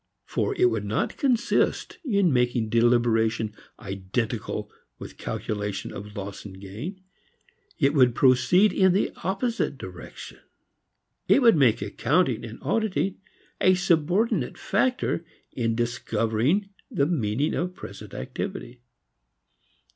For it would not consist in making deliberation identical with calculation of loss and gain; it would proceed in the opposite direction. It would make accounting and auditing a subordinate factor in discovering the meaning of present activity.